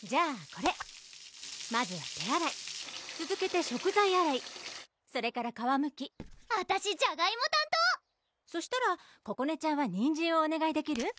これまずは手あらいつづけて食材あらいそれから皮むきあたしじゃがいも担当そしたらここねちゃんはにんじんをおねがいできる？